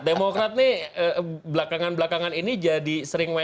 demokrat ini belakangan belakangan ini jadi sering terjadi